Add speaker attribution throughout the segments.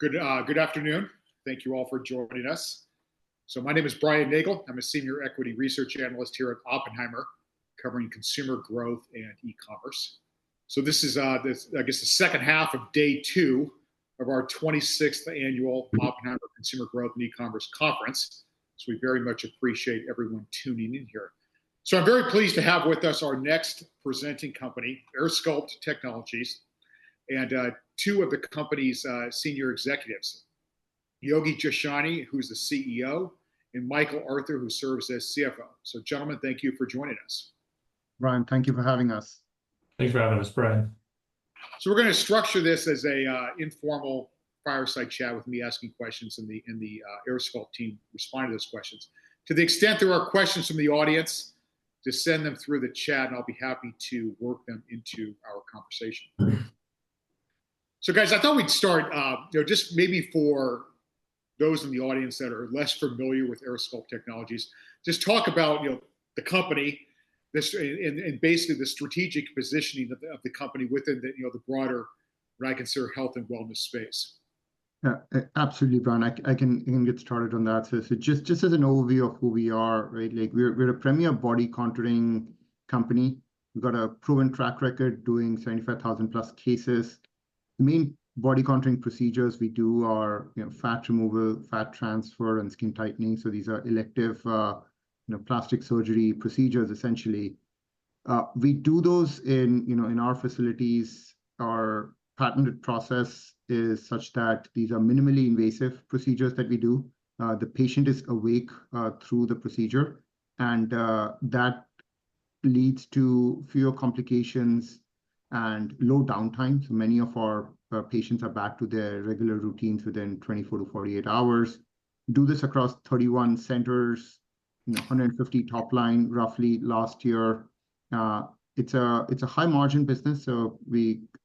Speaker 1: Good afternoon. Thank you all for joining us. My name is Brian Nagel. I'm a Senior Equity Research Analyst here at Oppenheimer, covering consumer growth and e-commerce. This is the second half of day two of our 26th Annual Oppenheimer Consumer Growth & E-Commerce Conference. We very much appreciate everyone tuning in here. I'm very pleased to have with us our next presenting company, AirSculpt Technologies, and two of the company's Senior Executives, Yogi Jashnani, who's the CEO, and Michael Arthur, who serves as CFO. Gentlemen, thank you for joining us.
Speaker 2: Brian, thank you for having us.
Speaker 3: Thanks for having us, Brian.
Speaker 1: We're going to structure this as an informal fireside chat with me asking questions and the AirSculpt team respond to those questions. To the extent there are questions from the audience, just send them through the chat, and I'll be happy to work them into our conversation. Guys, I thought we'd start, just maybe for those in the audience that are less familiar with AirSculpt Technologies, just talk about the company and basically the strategic positioning of the company within the broader, what I consider, health and wellness space.
Speaker 2: Yeah. Absolutely, Brian. I can get started on that. Just as an overview of who we are. We're a premier body contouring company. We've got a proven track record doing 75,000+ cases. The main body contouring procedures we do are fat removal, fat transfer, and skin tightening. These are elective plastic surgery procedures, essentially. We do those in our facilities. Our patented process is such that these are minimally invasive procedures that we do. The patient is awake through the procedure, and that leads to fewer complications and low downtime. Many of our patients are back to their regular routines within 24-48 hours. Do this across 31 centers, $150 top line, roughly, last year. It's a high margin business, so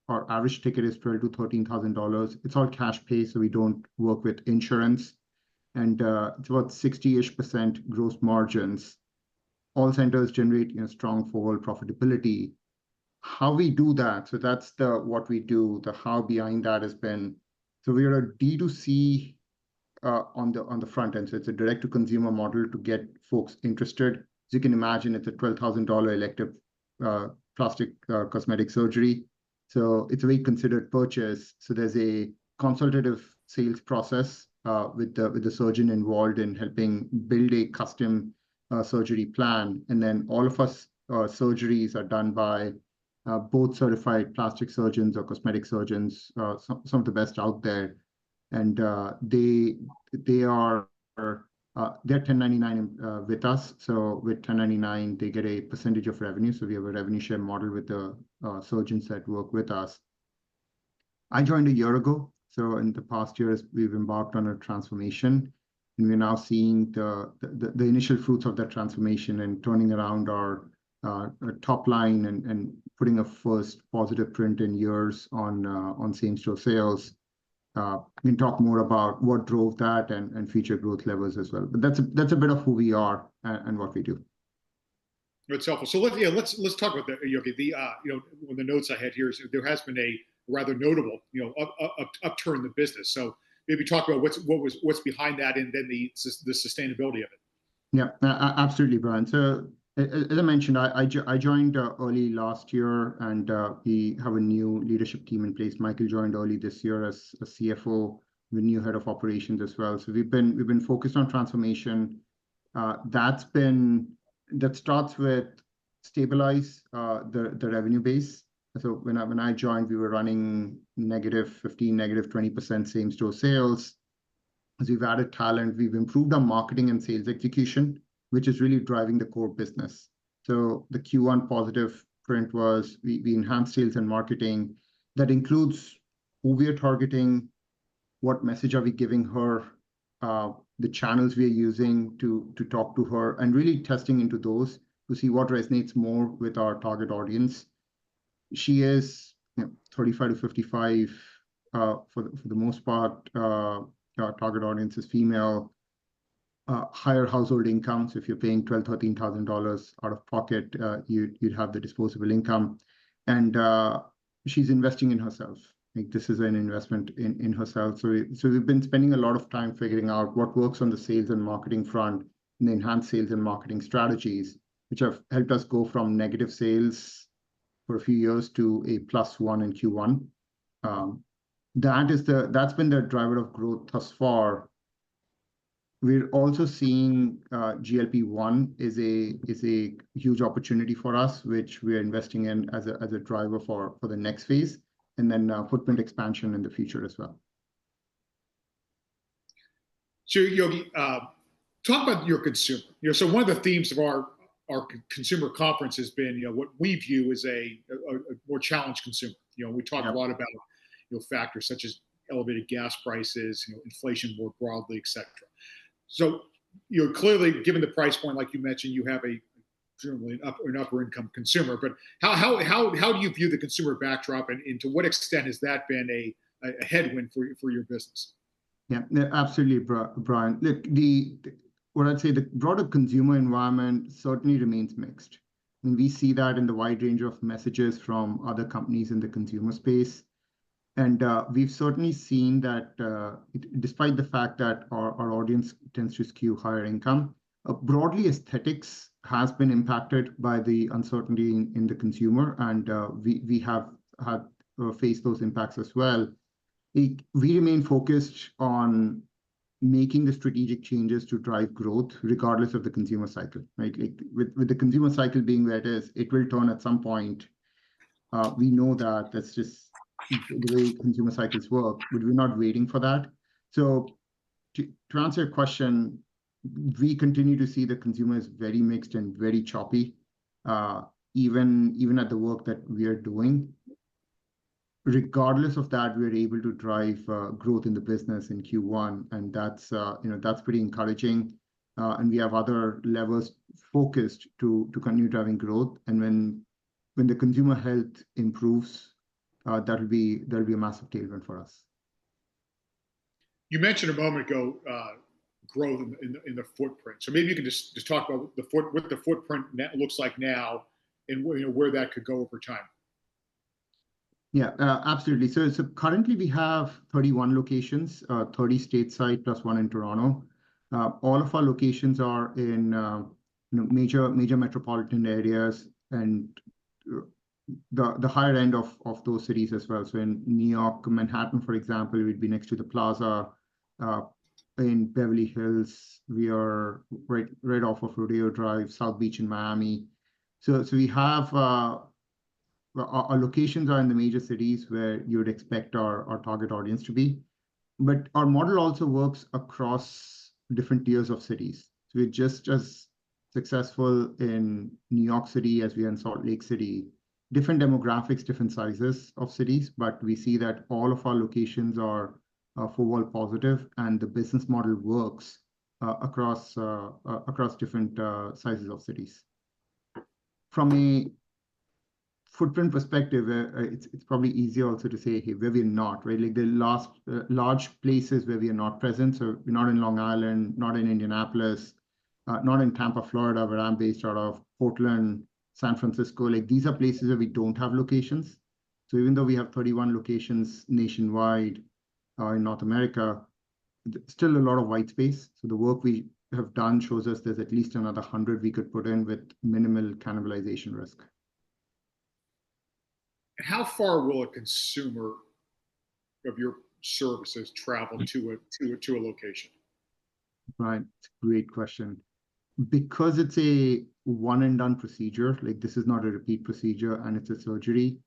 Speaker 2: our average ticket is $12,000-$13,000. It's all cash pay, so we don't work with insurance. It's about 60%-ish gross margins. All centers generate strong forward profitability. How we do that's what we do. The how behind that has been, we are a D2C on the front end, it's a direct-to-consumer model to get folks interested. As you can imagine, it's a $12,000 elective plastic cosmetic surgery, it's a reconsidered purchase. There's a consultative sales process with the surgeon involved in helping build a custom surgery plan. All of our surgeries are done by board-certified plastic surgeons or cosmetic surgeons, some of the best out there. They're 1099 with us. With 1099, they get a percentage of revenue, we have a revenue share model with the surgeons that work with us. I joined a year ago, in the past year, we've embarked on a transformation. We're now seeing the initial fruits of that transformation and turning around our top line and putting a first positive print in years on same-store sales. We can talk more about what drove that and future growth levels as well. That's a bit of who we are and what we do.
Speaker 1: That's helpful. Let's talk about that, Yogi. One of the notes I had here is there has been a rather notable upturn in the business. Maybe talk about what's behind that and then the sustainability of it.
Speaker 2: Absolutely, Brian. As I mentioned, I joined early last year, and we have a new leadership team in place. Michael joined early this year as CFO, with new head of operations as well. We've been focused on transformation. That starts with stabilize the revenue base. When I joined, we were running -15%, -20% same-store sales. As we've added talent, we've improved our marketing and sales execution, which is really driving the core business. The Q1 positive print was we enhanced sales and marketing. That includes who we are targeting, what message are we giving her, the channels we are using to talk to her, and really testing into those to see what resonates more with our target audience. She is 35-55, for the most part. Our target audience is female. Higher household incomes. If you're paying $12,000, $13,000 out of pocket, you'd have the disposable income. She's investing in herself. This is an investment in herself. We've been spending a lot of time figuring out what works on the sales and marketing front and enhance sales and marketing strategies, which have helped us go from negative sales for a few years to a +1 in Q1. That's been the driver of growth thus far. We're also seeing GLP-1 is a huge opportunity for us, which we are investing in as a driver for the next phase, footprint expansion in the future as well.
Speaker 1: Yogi, talk about your consumer. One of the themes of our consumer conference has been what we view as a more challenged consumer. We talk a lot about factors such as elevated gas prices, inflation more broadly, et cetera. You're clearly, given the price point, like you mentioned, you have generally an upper income consumer. How do you view the consumer backdrop, and to what extent has that been a headwind for your business?
Speaker 2: Absolutely, Brian. The broader consumer environment certainly remains mixed, and we see that in the wide range of messages from other companies in the consumer space. We've certainly seen that despite the fact that our audience tends to skew higher income, broadly, aesthetics has been impacted by the uncertainty in the consumer, and we have had to face those impacts as well. We remain focused on making the strategic changes to drive growth regardless of the consumer cycle. The consumer cycle being that, it will turn at some point. We know that that's just the way consumer cycles work, but we're not waiting for that. To answer your question, we continue to see the consumer as very mixed and very choppy, even at the work that we are doing. Regardless of that, we're able to drive growth in the business in Q1, and that's pretty encouraging. We have other levers focused to continue driving growth. When the consumer health improves, that'll be a massive tailwind for us.
Speaker 1: You mentioned a moment ago growth in the footprint. Maybe you can just talk about what the footprint looks like now and where that could go over time.
Speaker 2: Absolutely. Currently we have 31 locations, 30 stateside, plus one in Toronto. All of our locations are in major metropolitan areas and the higher end of those cities as well. In New York, Manhattan, for example, we'd be next to The Plaza. In Beverly Hills, we are right off of Rodeo Drive, South Beach in Miami. Our locations are in the major cities where you would expect our target audience to be. Our model also works across different tiers of cities. We're just as successful in New York City as we are in Salt Lake City. Different demographics, different sizes of cities, we see that all of our locations are overall positive, and the business model works across different sizes of cities. From a footprint perspective, it's probably easier also to say where we're not, really. We're not in Long Island, not in Indianapolis, not in Tampa, Florida, where I'm based out of, Portland, San Francisco. These are places where we don't have locations. Even though we have 31 locations nationwide or in North America, there's still a lot of white space. The work we have done shows us there's at least another 100 we could put in with minimal cannibalization risk.
Speaker 1: How far will a consumer of your services travel to a location?
Speaker 2: Right. Great question. Because it's a one and done procedure, this is not a repeat procedure, and it's a surgery,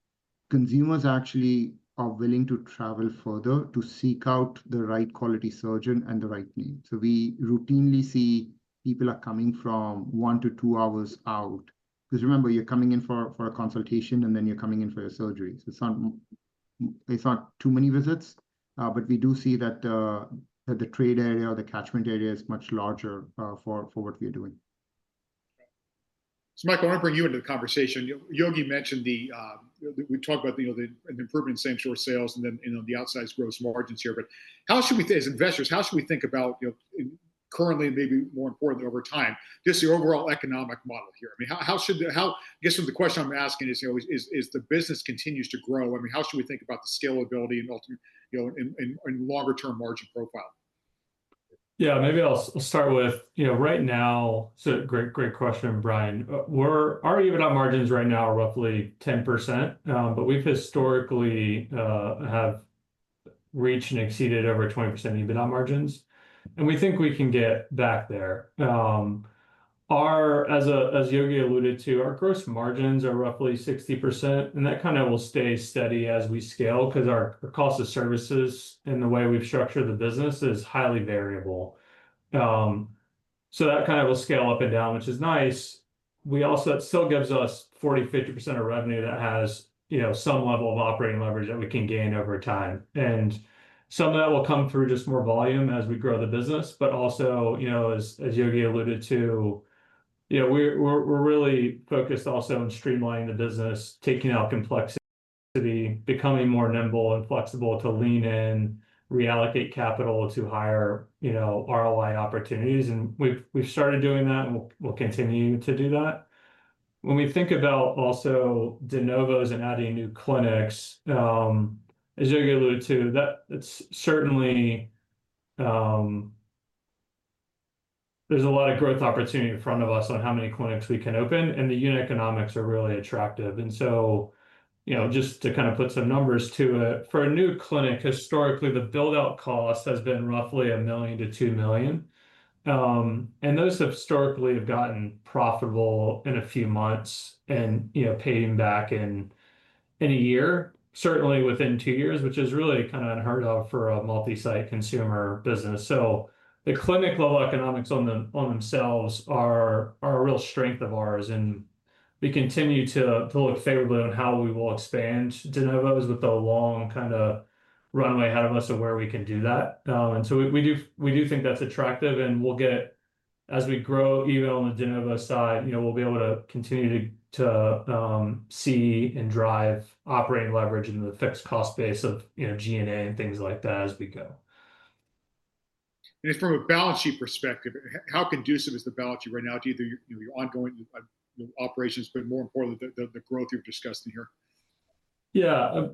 Speaker 2: consumers actually are willing to travel further to seek out the right quality surgeon and the right name. We routinely see people are coming from one to two hours out, because remember, you're coming in for a consultation, and then you're coming in for your surgery. It's not too many visits. We do see that the trade area or the catchment area is much larger for what we are doing.
Speaker 1: Michael, I want to bring you into the conversation. Yogi mentioned. We talked about an improvement in same-store sales and then the outsize gross margins here, but how should we, as investors, how should we think about, currently and maybe more importantly over time, just the overall economic model here? I guess the question I'm asking is, as the business continues to grow, how should we think about the scalability and longer-term margin profile?
Speaker 3: Maybe I'll start with, right now. Great question, Brian. Our EBITDA margins right now are roughly 10%, but we've historically reached and exceeded over 20% EBITDA margins, and we think we can get back there. As Yogi alluded to, our gross margins are roughly 60%, and that kind of will stay steady as we scale because our cost of services and the way we've structured the business is highly variable. That kind of will scale up and down, which is nice. Also, it still gives us 40%, 50% of revenue that has some level of operating leverage that we can gain over time. Some of that will come through just more volume as we grow the business, but also, as Yogi alluded to, we're really focused also on streamlining the business, taking out complexity, becoming more nimble and flexible to lean in, reallocate capital to higher ROI opportunities, and we've started doing that, and we'll continue to do that. When we think about also de novos and adding new clinics, as Yogi alluded to, there's a lot of growth opportunity in front of us on how many clinics we can open, and the unit economics are really attractive. Just to kind of put some numbers to it, for a new clinic, historically, the build-out cost has been roughly $1 million-$2 million. Those historically have gotten profitable in a few months and paid them back in a year, certainly within two years, which is really kind of unheard of for a multi-site consumer business. The clinic-level economics on themselves are a real strength of ours, and we continue to look favorably on how we will expand de novos with the long kind of runway ahead of us of where we can do that. We do think that's attractive, and as we grow EBITDA on the de novo side, we'll be able to continue to see and drive operating leverage in the fixed cost base of G&A and things like that as we go.
Speaker 1: From a balance sheet perspective, how conducive is the balance sheet right now to either your ongoing operations, but more importantly, the growth you're discussing here?
Speaker 3: Yeah.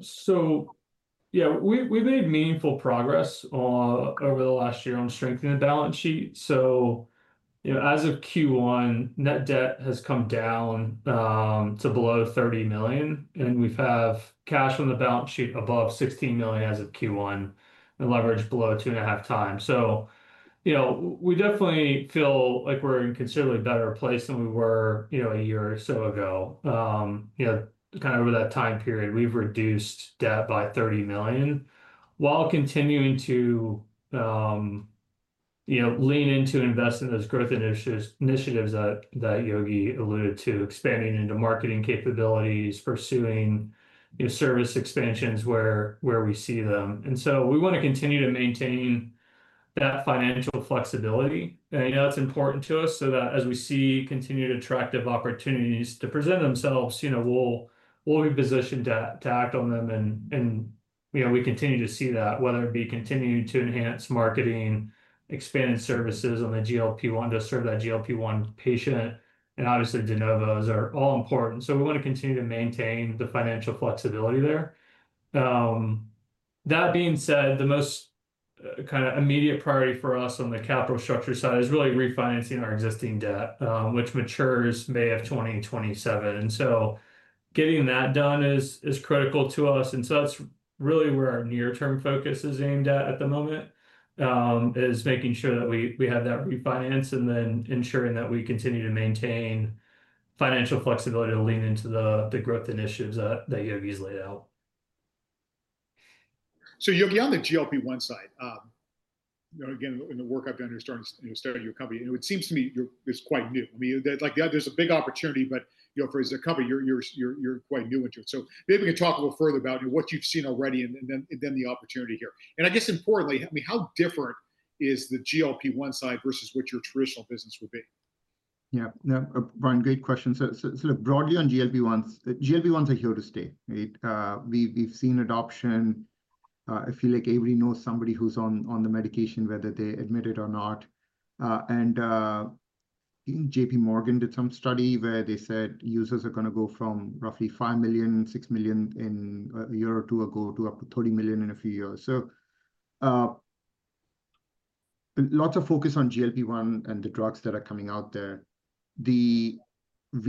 Speaker 3: We made meaningful progress over the last year on strengthening the balance sheet. As of Q1, net debt has come down to below $30 million, and we have cash on the balance sheet above $16 million as of Q1, and leverage below 2.5x. We definitely feel like we're in considerably a better place than we were a year or so ago. Over that time period, we've reduced debt by $30 million while continuing to lean into investing in those growth initiatives that Yogi alluded to. Expanding into marketing capabilities, pursuing service expansions where we see them. We want to continue to maintain that financial flexibility. That's important to us, so that as we see continued attractive opportunities to present themselves, we'll be positioned to act on them. We continue to see that, whether it be continuing to enhance marketing, expanding services on the GLP-1 to serve that GLP-1 patient, and obviously de novos are all important. We want to continue to maintain the financial flexibility there. That being said, the most immediate priority for us on the capital structure side is really refinancing our existing debt, which matures May 2027. Getting that done is critical to us. That's really where our near-term focus is aimed at the moment. Is making sure that we have that refinance and then ensuring that we continue to maintain financial flexibility to lean into the growth initiatives that Yogi's laid out.
Speaker 1: Yogi, on the GLP-1 side, again, in the work I've done starting your company, it seems to me it's quite new. There's a big opportunity but for as a company, you're quite new into it. Maybe we can talk a little further about what you've seen already and then the opportunity here. I guess importantly, how different is the GLP-1 side versus what your traditional business would be?
Speaker 2: Yeah. Brian, great question. Broadly on GLP-1s, GLP-1s are here to stay, right? We've seen adoption. I feel like everybody knows somebody who's on the medication, whether they admit it or not. I think JPMorgan did some study where they said users are going to go from roughly $5 million, $6 million a year or two ago, to up to $30 million in a few years. Lots of focus on GLP-1 and the drugs that are coming out there. We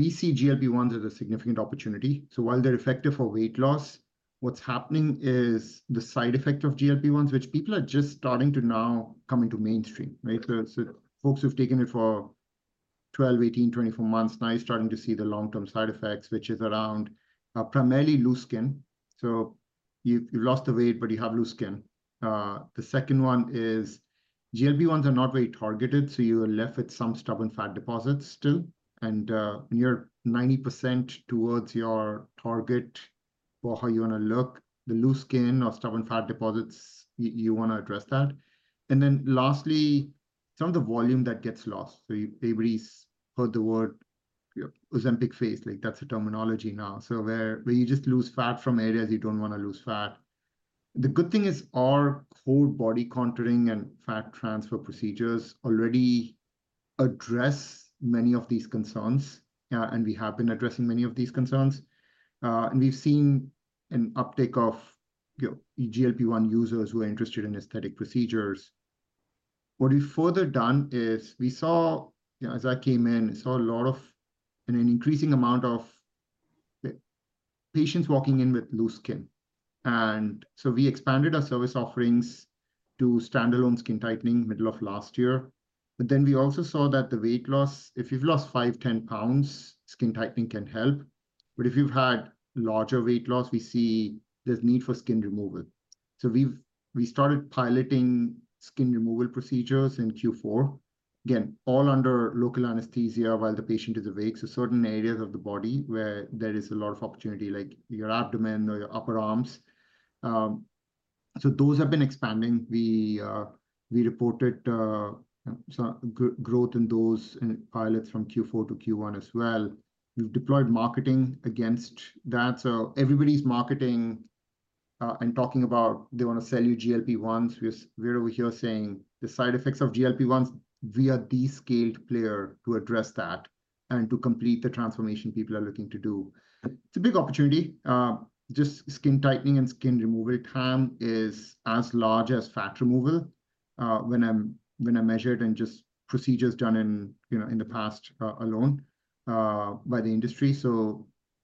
Speaker 2: see GLP-1s as a significant opportunity. While they're effective for weight loss, what's happening is the side effect of GLP-1s, which people are just starting to now coming to mainstream, right? Folks who've taken it for 12, 18, 24 months, now you're starting to see the long-term side effects, which is around primarily loose skin. You've lost the weight, but you have loose skin. The second one is GLP-1s are not very targeted, you are left with some stubborn fat deposits, too. When you're 90% towards your target for how you want to look, the loose skin or stubborn fat deposits, you want to address that. Lastly, some of the volume that gets lost. Everybody's heard the word Ozempic face, like that's a terminology now. Where you just lose fat from areas you don't want to lose fat. The good thing is our whole body contouring and fat transfer procedures already address many of these concerns. We have been addressing many of these concerns. We've seen an uptick of GLP-1 users who are interested in aesthetic procedures. What we've further done is we saw, as I came in, I saw an increasing amount of patients walking in with loose skin. We expanded our service offerings to standalone skin tightening middle of last year. We also saw that the weight loss, if you've lost five, 10 pounds, skin tightening can help. If you've had larger weight loss, we see there's need for skin removal. We started piloting skin removal procedures in Q4. Again, all under local anesthesia while the patient is awake. Certain areas of the body where there is a lot of opportunity, like your abdomen or your upper arms. Those have been expanding. We reported some growth in those in pilots from Q4 to Q1 as well. We've deployed marketing against that. Everybody's marketing and talking about they want to sell you GLP-1s. We're over here saying the side effects of GLP-1s, we are the scaled player to address that and to complete the transformation people are looking to do. It's a big opportunity. Just skin tightening and skin removal, TAM, is as large as fat removal when I measured in just procedures done in the past alone by the industry.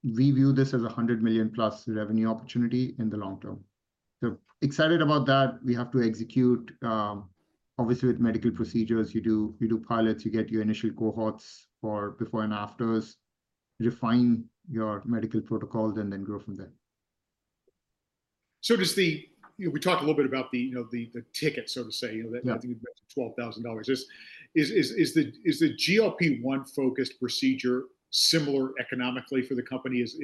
Speaker 2: We view this as a $100+ million revenue opportunity in the long term. Excited about that. We have to execute. Obviously, with medical procedures, you do pilots, you get your initial cohorts for before and afters, refine your medical protocols, grow from there.
Speaker 1: We talked a little bit about the ticket, so to say. I think it was $12,000. Is the GLP-1 focused procedure similar economically for the company as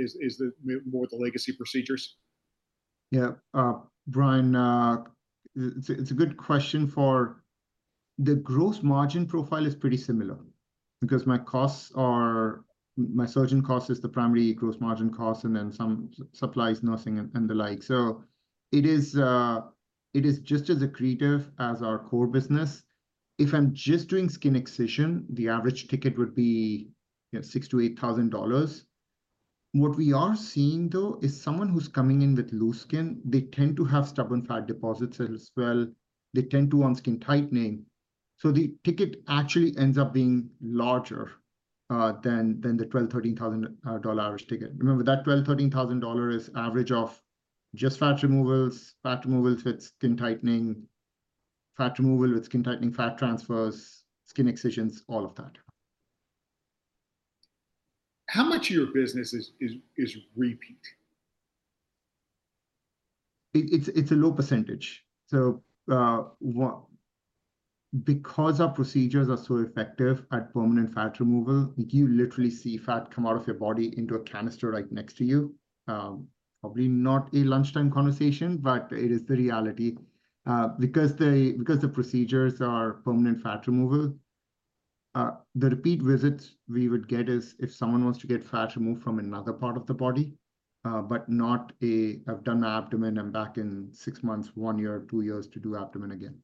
Speaker 1: more the legacy procedures?
Speaker 2: Yeah, Brian. The gross margin profile is pretty similar because my surgeon cost is the primary gross margin cost, and then some supplies, nursing, and the like. It is just as accretive as our core business. If I'm just doing skin excision, the average ticket would be $6,000-$8,000. What we are seeing, though, is someone who's coming in with loose skin, they tend to have stubborn fat deposits as well. They tend to want skin tightening. The ticket actually ends up being larger than the $12,000, $13,000 average ticket. Remember, that $12,000, $13,000 is average of just fat removals, fat removal with skin tightening, fat removal with skin tightening, fat transfers, skin excisions, all of that.
Speaker 1: How much of your business is repeat?
Speaker 2: It's a low percentage. Because our procedures are so effective at permanent fat removal, you literally see fat come out of your body into a canister right next to you. Probably not a lunchtime conversation, it is the reality. Because the procedures are permanent fat removal, the repeat visits we would get is if someone wants to get fat removed from another part of the body. Not a, "I've done my abdomen. I'm back in six months, one year, two years to do abdomen again.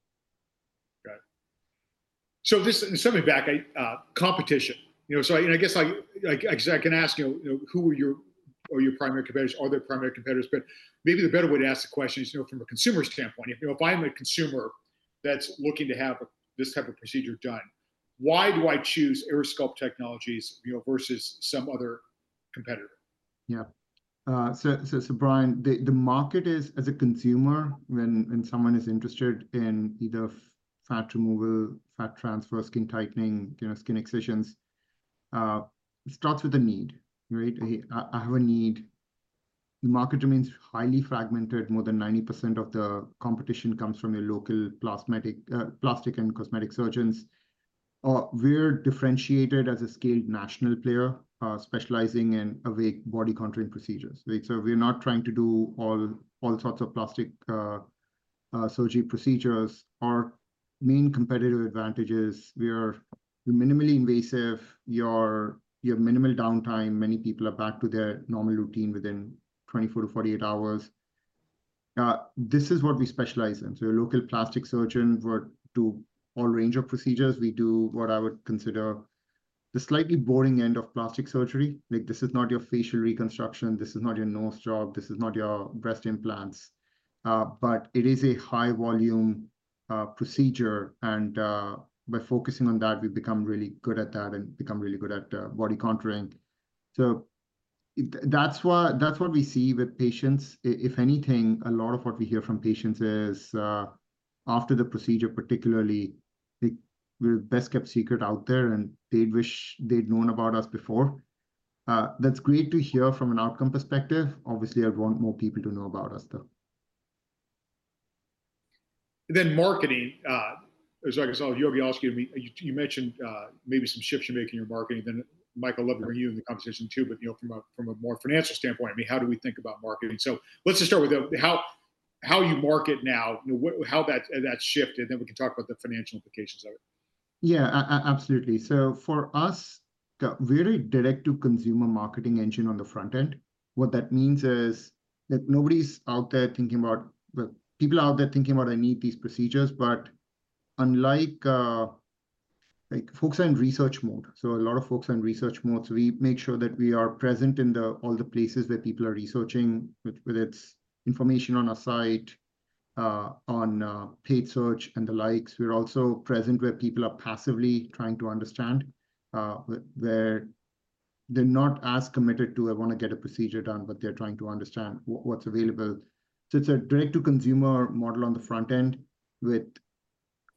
Speaker 1: Got it. This. Send me back. Competition. I guess I can ask you who are your primary competitors? Are there primary competitors? Maybe the better way to ask the question is from a consumer's standpoint. If I'm a consumer that's looking to have this type of procedure done, why do I choose AirSculpt Technologies versus some other competitor?
Speaker 2: Yeah. Brian, the market is, as a consumer, when someone is interested in either fat removal, fat transfer, skin tightening, skin excisions, it starts with a need. Right? I have a need. The market remains highly fragmented. More than 90% of the competition comes from your local plastic and cosmetic surgeons. We're differentiated as a scaled national player specializing in awake body contouring procedures. Right? We're not trying to do all sorts of plastic surgery procedures. Our main competitive advantage is we're minimally invasive. You have minimal downtime. Many people are back to their normal routine within 24-48 hours. This is what we specialize in. Your local plastic surgeon would do all range of procedures. We do what I would consider the slightly boring end of plastic surgery. Like, this is not your facial reconstruction. This is not your nose job. This is not your breast implants. It is a high-volume procedure. By focusing on that, we've become really good at that and become really good at body contouring. That's what we see with patients. If anything, a lot of what we hear from patients is, after the procedure, particularly, we're the best-kept secret out there, and they'd wish they'd known about us before. That's great to hear from an outcome perspective. Obviously, I'd want more people to know about us, though.
Speaker 1: Marketing. I guess I'll ask you. You mentioned maybe some shifts you make in your marketing. Michael. I'd love to hear you in the conversation, too, but from a more financial standpoint. How do we think about marketing? Let's just start with how you market now, how that shifted. We can talk about the financial implications of it.
Speaker 2: Yeah. Absolutely. For us, very direct-to-consumer marketing engine on the front end. What that means is that people are out there thinking about they need these procedures. Folks are in research mode. We make sure that we are present in all the places where people are researching, whether it's information on our site, on paid search, and the likes. We're also present where people are passively trying to understand. They're not as committed to a want to get a procedure done, but they're trying to understand what's available. It's a direct-to-consumer model on the front end with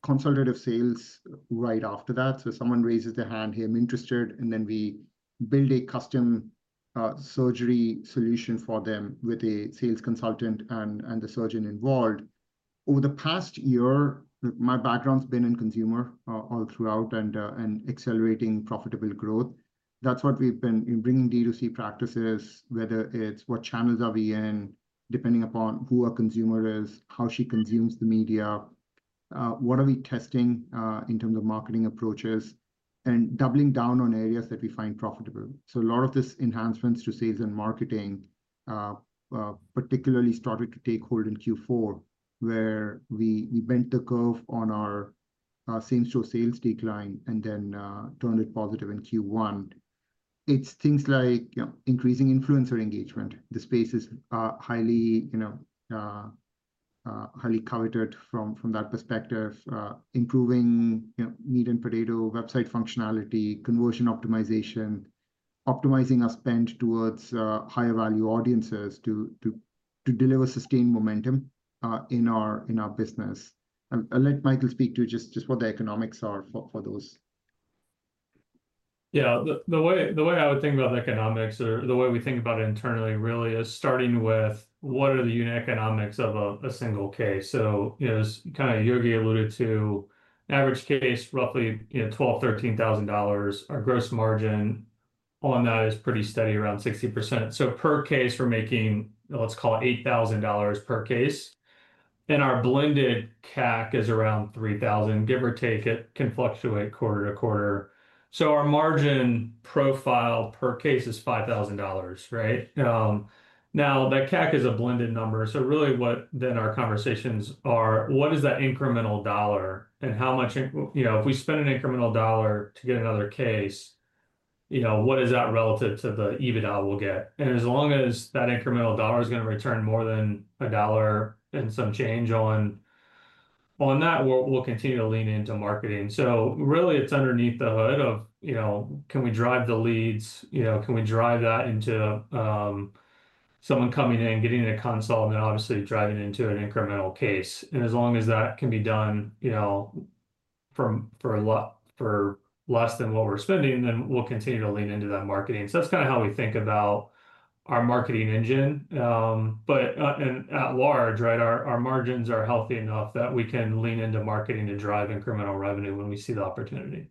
Speaker 2: consultative sales right after that. Someone raises their hand, "Hey, I'm interested," and then we build a custom surgery solution for them with a sales consultant and the surgeon involved. My background's been in consumer all throughout and accelerating profitable growth. In bringing D2C practices, whether it's what channels are we in, depending upon who our consumer is, how she consumes the media, what are we testing in terms of marketing approaches, and doubling down on areas that we find profitable. A lot of these enhancements to sales and marketing particularly started to take hold in Q4, where we bent the curve on our same-store sales decline and then turned it positive in Q1. It's things like increasing influencer engagement. The space is highly coveted from that perspective. Improving meat and potato website functionality, conversion optimization, optimizing our spend towards higher-value audiences to deliver sustained momentum in our business. I'll let Michael speak to just what the economics are for those.
Speaker 3: Yeah. The way I would think about the economics or the way we think about it internally, really, is starting with what are the unit economics of a single case? As Yogi alluded to, average case roughly $12,000, $13,000. Our gross margin on that is pretty steady around 60%. Per case, we're making, let's call it $8,000 per case. Our blended CAC is around $3,000, give or take. It can fluctuate quarter to quarter. Our margin profile per case is $5,000, right? Now, that CAC is a blended number. Really what our conversations are, what is that incremental dollar, and if we spend an incremental dollar to get another case, what is that relative to the EBITDA we'll get? As long as that incremental dollar is going to return more than a dollar and some change on that, we'll continue to lean into marketing. Really, it's underneath the hood of can we drive the leads? Can we drive that into someone coming in, getting a consult, and then obviously driving into an incremental case? As long as that can be done for less than what we're spending, then we'll continue to lean into that marketing. That's kind of how we think about our marketing engine. At large, our margins are healthy enough that we can lean into marketing to drive incremental revenue when we see the opportunity.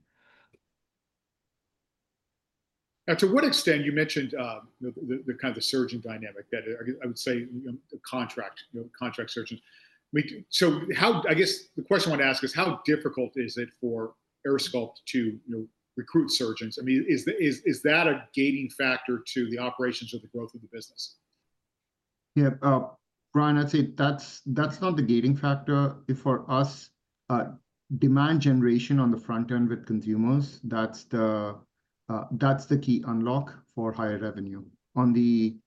Speaker 1: To what extent, you mentioned the kind of the surgeon dynamic that I would say contract surgeons. I guess the question I want to ask is how difficult is it for AirSculpt to recruit surgeons? Is that a gating factor to the operations or the growth of the business?
Speaker 2: Brian, I'd say that's not the gating factor for us. Demand generation on the front end with consumers, that's the key unlock for higher revenue. On the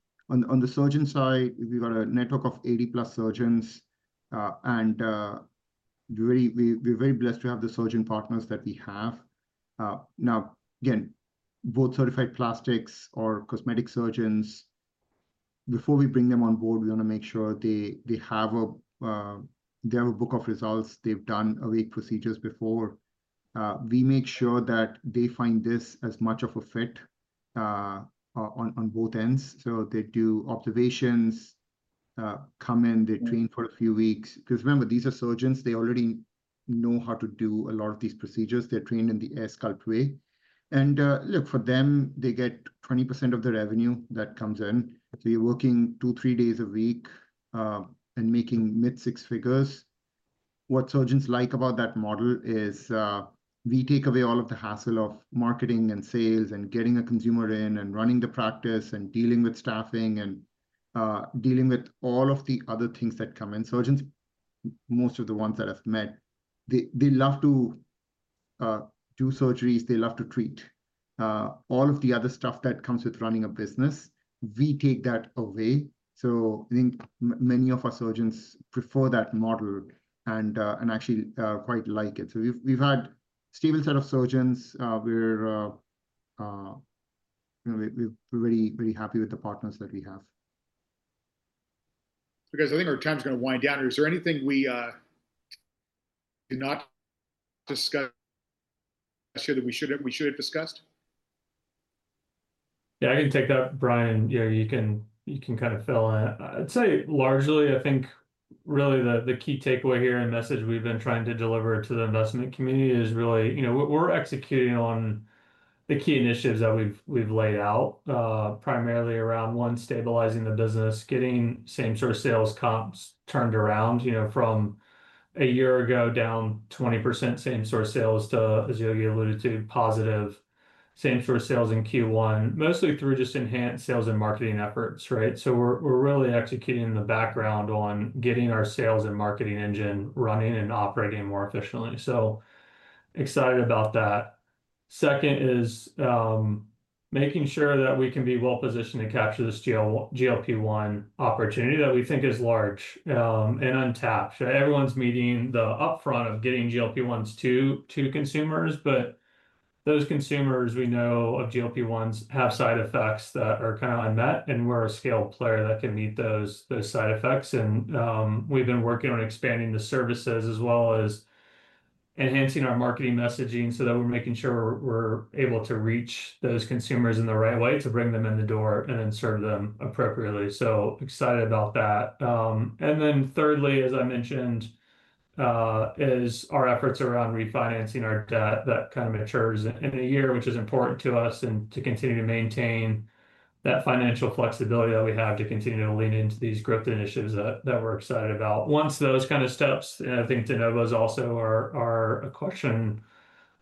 Speaker 2: surgeon side, we've got a network of 80+ surgeons. We're very blessed to have the surgeon partners that we have. Now, again, both certified plastics or cosmetic surgeons, before we bring them on board, we want to make sure they have a book of results. They've done awake procedures before. We make sure that they find this as much of a fit on both ends. They do observations, come in, they train for a few weeks. Remember, these are surgeons. They already know how to do a lot of these procedures. They're trained in the AirSculpt way. Look, for them, they get 20% of the revenue that comes in. You're working two, three days a week, and making mid-six figures. What surgeons like about that model is we take away all of the hassle of marketing and sales and getting a consumer in and running the practice and dealing with staffing and dealing with all of the other things that come in. Surgeons, most of the ones that I've met, they love to do surgeries. They love to treat. All of the other stuff that comes with running a business, we take that away. I think many of our surgeons prefer that model and actually quite like it. We've had a stable set of surgeons. We're really happy with the partners that we have.
Speaker 1: Guys, I think our time's going to wind down here. Is there anything we did not discuss here that we should have discussed?
Speaker 3: Yeah, I can take that, Brian. You can kind of fill in. I'd say largely, I think really the key takeaway here and message we've been trying to deliver to the investment community is really we're executing on the key initiatives that we've laid out, primarily around one, stabilizing the business, getting same store sales comps turned around from a year ago down 20% same store sales to, as Yogi alluded to, positive same store sales in Q1, mostly through just enhanced sales and marketing efforts, right? We're really executing in the background on getting our sales and marketing engine running and operating more efficiently. Excited about that. Second is making sure that we can be well-positioned to capture this GLP-1 opportunity that we think is large and untapped. Everyone's meeting the upfront of getting GLP-1s to consumers, but those consumers we know of GLP-1s have side effects that are kind of unmet, and we're a scale player that can meet those side effects. We've been working on expanding the services as well as enhancing our marketing messaging so that we're making sure we're able to reach those consumers in the right way to bring them in the door and serve them appropriately. Excited about that. Thirdly, as I mentioned, is our efforts around refinancing our debt that kind of matures in a year which is important to us, and to continue to maintain that financial flexibility that we have to continue to lean into these growth initiatives that we're excited about. Once those kind of steps, I think de novos also are a question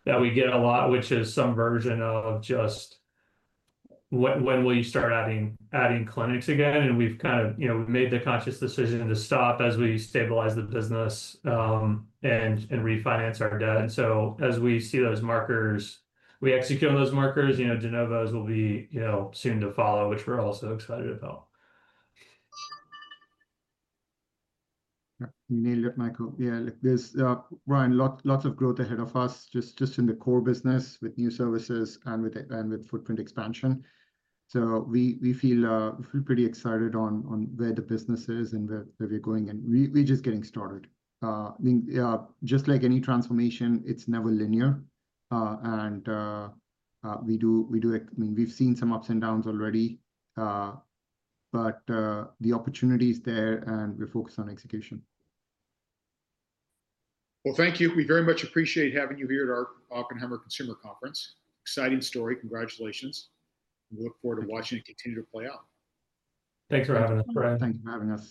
Speaker 3: that we get a lot, which is some version of just when will you start adding clinics again? We've made the conscious decision to stop as we stabilize the business, and refinance our debt. As we execute on those markers, de novos will be soon to follow, which we're also excited about.
Speaker 2: Yeah, you nailed it, Michael. Yeah, look, Brian, lots of growth ahead of us, just in the core business with new services and with footprint expansion. We feel pretty excited on where the business is and where we're going, and we're just getting started. Just like any transformation, it's never linear. We've seen some ups and downs already. The opportunity's there, and we're focused on execution.
Speaker 1: Well, thank you. We very much appreciate having you here at our Oppenheimer Consumer Conference. Exciting story. Congratulations. We look forward to watching it continue to play out.
Speaker 3: Thanks for having us, Brian.
Speaker 2: Thank you for having us.